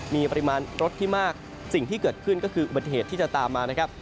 มีปริมาณรถที่มากสิ่งที่เกิดขึ้นก็คืออุบัติเหตุที่จะตามมานะครับ